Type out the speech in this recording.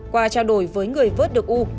qua trao đổi với người vớt được u